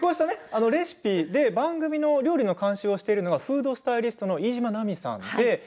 番組の料理の監修をしているのはフードスタイリストの飯島奈美さんです。